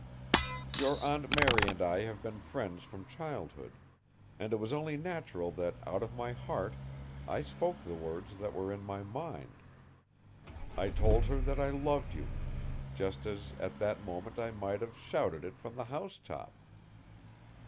Your Aunt Mary and I have been friends from childhood, and it was only natural that out of my heart I spoke the words that were in my mind. I told her that I loved you, just as at that moment I might have shouted it from the housetop.